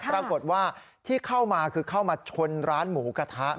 ปรากฏว่าที่เข้ามาคือเข้ามาชนร้านหมูกระทะ